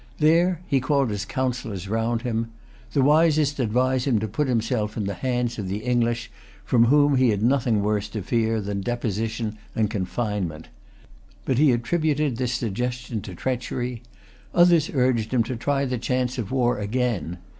There he called his councillors round him. The wisest advised him to put himself into the hands of the English, from whom he had nothing worse to fear than deposition and confinement. But he attributed this suggestion to treachery. Others urged him to try the chance of war again.